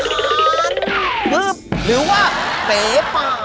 นั่นปื๊บหรือว่าเฟฟ